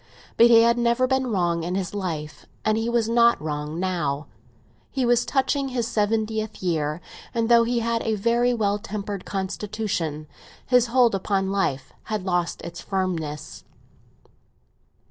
But he had never been wrong in his life, and he was not wrong now. He was touching his seventieth year, and though he had a very well tempered constitution, his hold upon life had lost its firmness.